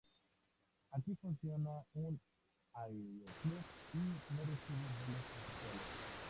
Aquí funciona un aeroclub y no recibe vuelos comerciales.